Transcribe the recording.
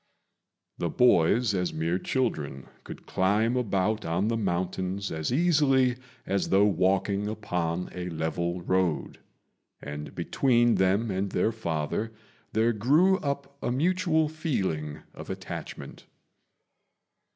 The boys, as mere children, could climb about on the mountains as easily as though walking upon a level road; and between them and their father there grew up a mutual feeling of attachment.